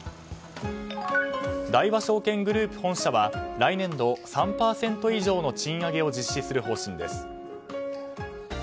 大和証券グループ本社は来年度３％以上の賃上げを実施する方針です。